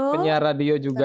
penyiar radio juga